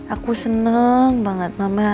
aku seneng banget mama